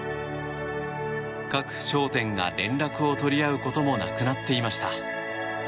各商店が連絡を取り合うこともなくなっていました。